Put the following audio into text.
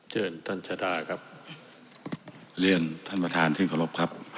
เชิญท่านชาดาครับเรียนท่านประธานที่เคารพครับ